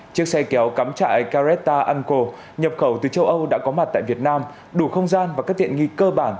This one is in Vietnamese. chiếc xe kéo cắm trại careeta anko nhập khẩu từ châu âu đã có mặt tại việt nam đủ không gian và các tiện nghi cơ bản